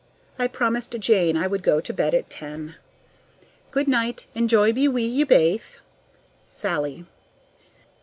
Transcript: I promised Jane I would go to bed at ten. Good night, and joy be wi' ye baith! SALLIE.